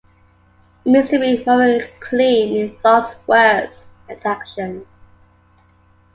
It means to be morally clean in thoughts, words, and actions.